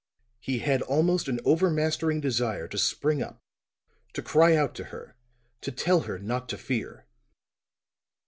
He had almost an overmastering desire to spring up, to cry out to her, to tell her not to fear.